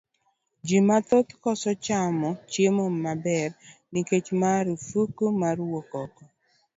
Ji mathoth koso chamo chiemo maber nikech marufuk mar wuok oko.